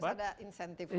terus ada insentif khusus